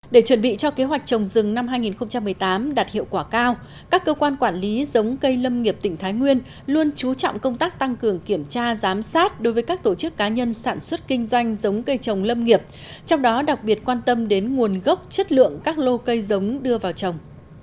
để chuẩn bị cho kế hoạch trồng rừng năm hai nghìn một mươi tám đạt hiệu quả cao các cơ quan quản lý giống cây lâm nghiệp tỉnh thái nguyên luôn chú trọng công tác tăng cường kiểm tra giám sát đối với các tổ chức cá nhân sản xuất kinh doanh giống cây trồng lâm nghiệp trong đó đặc biệt quan tâm đến nguồn gốc chất lượng các lô cây giống đưa vào trồng